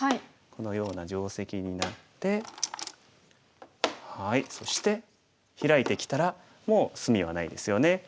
このような定石になってそしてヒラいてきたらもう隅はないですよね。